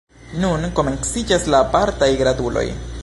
Nun komenciĝas la apartaj gratuloj.